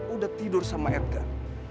udah tidur sama edgar